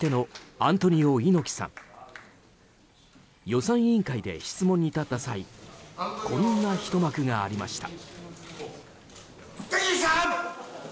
予算委員会で質問に立った際こんなひと幕がありました。